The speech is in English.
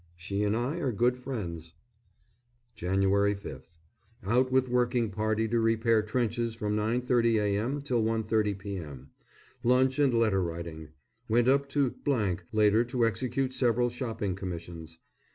She and I are good friends. Jan. 5th. Out with working party to repair trenches from 9.30 a.m. till 1.30 p.m. Lunch and letter writing. Went up to later to execute several shopping commissions.